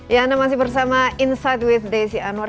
ya anda masih bersama insight with desi anwar